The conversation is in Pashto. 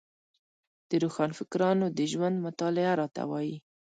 د روښانفکرانو د ژوند مطالعه راته وايي.